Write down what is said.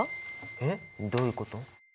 えっどういうこと！？